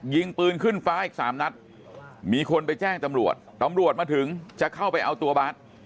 ยิงปืนขึ้นฟ้าอีกสามนัดมีคนไปแจ้งตำรวจตำรวจมาถึงจะเข้าไปเอาตัวบาส